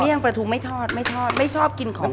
เมี่ยงปลาทูไม่ทอดไม่ทอดไม่ชอบกินของทอด